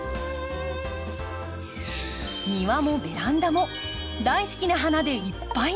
庭もベランダも大好きな花でいっぱいにできます。